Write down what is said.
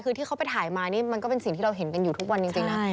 คือที่เขาไปถ่ายมานี่มันก็เป็นสิ่งที่เราเห็นกันอยู่ทุกวันจริงนะ